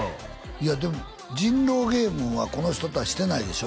いやでも人狼ゲームはこの人とはしてないでしょ？